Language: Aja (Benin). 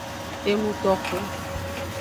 Enutoxu.